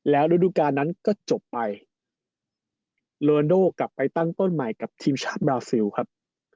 แล้วฤดูการนั้นก็จบไปโลนโดกลับไปตั้งต้นใหม่กับทีมชาติบราซิลครับ